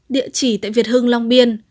địa chỉ tại việt hương long biên